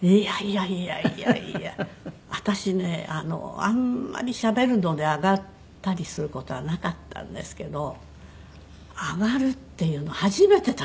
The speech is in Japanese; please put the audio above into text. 私ねあんまりしゃべるのであがったりする事はなかったんですけどあがるっていうのを初めて体験しました。